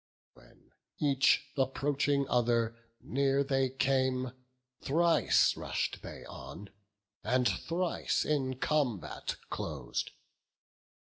When, each approaching other, near they came, Thrice rush'd they on, and thrice in combat clos'd.